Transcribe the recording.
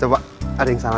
coba ada yang salah ga